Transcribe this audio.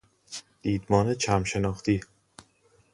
دیدمان چم شناختی